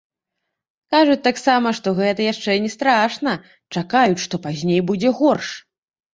Кажуць таксама, што гэта яшчэ не страшна, чакаюць, што пазней будзе горш.